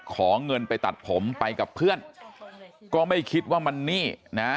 ขอเงินไปตัดผมไปกับเพื่อนก็ไม่คิดว่ามันนี่นะ